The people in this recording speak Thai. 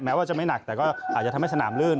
ว่าจะไม่หนักแต่ก็อาจจะทำให้สนามลื่น